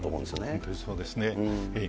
本当にそうですね。